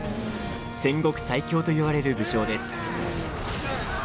戦国最強といわれる武将です。